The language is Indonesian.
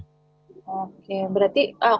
berarti komoditas sudah agak melanda ya bang